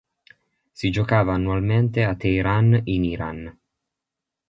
Si giocava annualmente a Teheran in Iran.